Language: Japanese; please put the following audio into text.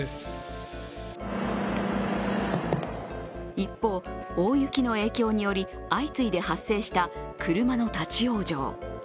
一方、大雪の影響により、相次いで発生した車の立往生。